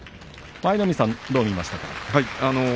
舞の海さんどう見ましたか。